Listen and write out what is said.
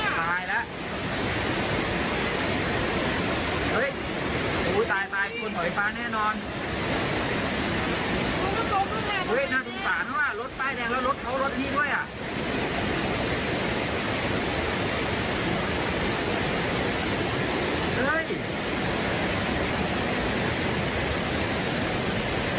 ตายแล้วตายตายตายคนของไอฟ้าแน่นอนโอ๊ยน่าสุข่าวเนอะว่ารถป้ายแดงแล้วรถเขารถนี่ด้วยอ่ะ